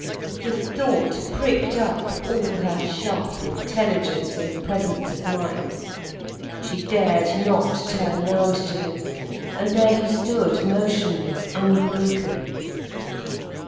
The thought pricked up all her sharp intelligence and presence of mind. She dared not turn round to him—and there he stood motionless, unbroken.